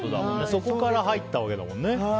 そこから入ったわけだもんね。